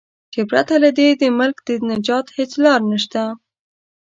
چې پرته له دې د ملک د نجات هیڅ لار نشته.